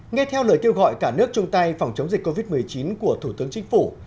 nghe theo lời kêu gọi cả nước chung tay phòng chống dịch covid một mươi chín của thủ tướng chính phủ